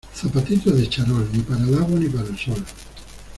Zapatitos de charol, ni para el agua ni para el sol.